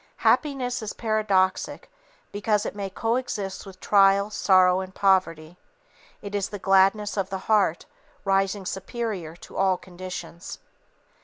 Happiness is paradoxic because it may coexist with trial, sorrow and poverty. It is the gladness of the heart, rising superior to all conditions.